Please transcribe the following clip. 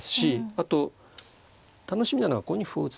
あと楽しみなのはここに歩を打つね。